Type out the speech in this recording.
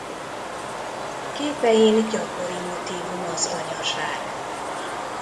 Képein gyakori motívum az anyaság.